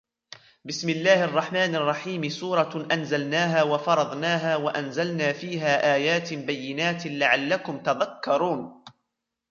بِسْمِ اللَّهِ الرَّحْمَنِ الرَّحِيمِ سُورَةٌ أَنْزَلْنَاهَا وَفَرَضْنَاهَا وَأَنْزَلْنَا فِيهَا آيَاتٍ بَيِّنَاتٍ لَعَلَّكُمْ تَذَكَّرُونَ